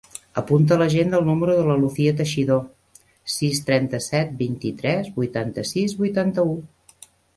Apunta a l'agenda el número de la Lucía Teixido: sis, trenta-set, vint-i-tres, vuitanta-sis, vuitanta-u.